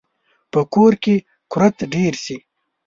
په کور کې کورت ډیر شي